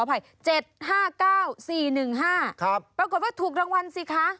ปรากฏว่าถูกรางวัลสิคะ